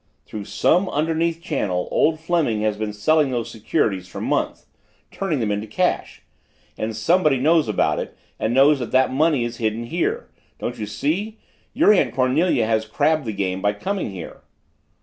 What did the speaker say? "Through some underneath channel old Fleming has been selling those securities for months, turning them into cash. And somebody knows about it, and knows that that money is hidden here. Don't you see? Your Aunt Cornelia has crabbed the game by coming here."